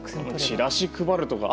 チラシを配るとか。